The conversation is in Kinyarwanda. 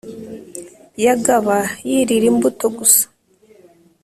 yagaba yirira imbuto gusa